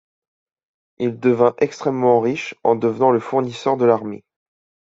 Il devint extrêmement riche en devenant le fournisseur de l'armée.